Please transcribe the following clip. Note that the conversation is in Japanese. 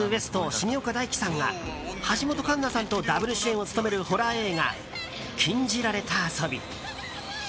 重岡大毅さんが橋本環奈さんとダブル主演を務めるホラー映画「禁じられた遊び」。